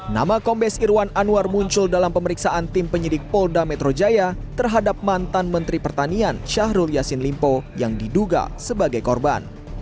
nama kombes irwan anwar muncul dalam pemeriksaan tim penyidik polda metro jaya terhadap mantan menteri pertanian syahrul yassin limpo yang diduga sebagai korban